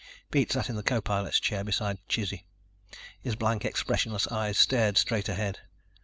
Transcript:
Pete sat in the co pilot's chair beside Chizzy. His blank, expressionless eyes stared straight ahead.